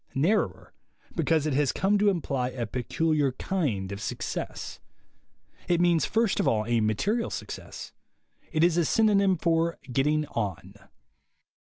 Narrower, because it has come to imply a peculiar kind of success. It means first of all a material success. It is a synonym for "getting on."